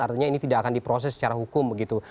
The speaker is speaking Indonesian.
artinya ini tidak akan diproses secara hukum begitu